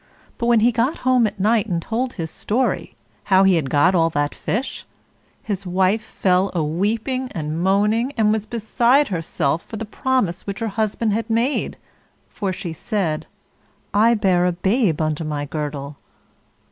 But when he got home at night and told his story, how he had got all that fish, his wife fell a weeping and moaning, and was beside herself for the promise which her husband had made, for she said, "I bear a babe under my girdle."